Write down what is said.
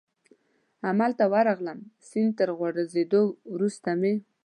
همالته ورغلم، سیند ته تر غورځېدو وروسته مې.